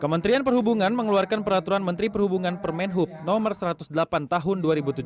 kementerian perhubungan mengeluarkan peraturan menteri perhubungan permen hub no satu ratus delapan tahun dua ribu tujuh belas